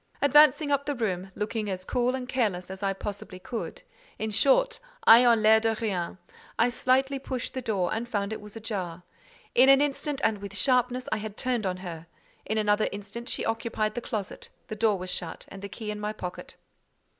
Advancing up the room, looking as cool and careless as I possibly could, in short, ayant l'air de rien, I slightly pushed the door and found it was ajar. In an instant, and with sharpness, I had turned on her. In another instant she occupied the closet, the door was shut, and the key in my pocket.